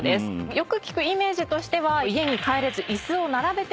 よく聞くイメージとしては家に帰れず椅子を並べて寝る。